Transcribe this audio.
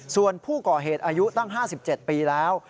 ส่วนผู้ก่อเหตุอายุตั้ง๕๗ปีแล้ว